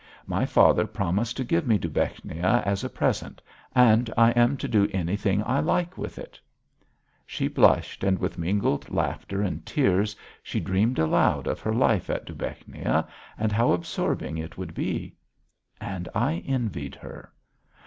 My father promised to give me Dubechnia as a present, and I am to do anything I like with it." She blushed and with mingled laughter and tears she dreamed aloud of her life at Dubechnia and how absorbing it would be. And I envied her.